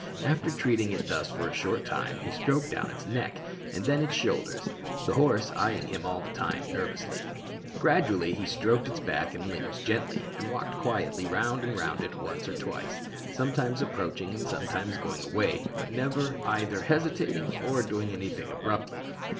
After treating it thus for a short time, he stroked down its neck, and then its shoulders the horse eying him all the time nervously. Gradually he stroked its back and limbs gently, and walked quietly round and round it once or twice, sometimes approaching and sometimes going away, but never either hesitating or doing anything abruptly.